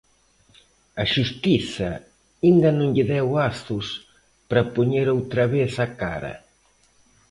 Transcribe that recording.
A xustiza inda non lle deu azos para poñer outra vez a cara.